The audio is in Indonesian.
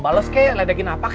balas ke ledakin apa ke